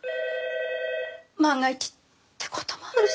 万が一って事もあるし。